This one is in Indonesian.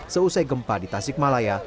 seusai gempa di tasikmalaya